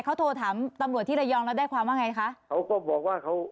เขาโทรถามตำรวจที่ระยองแล้วได้ความว่าไงคะเขาก็บอกว่าเขา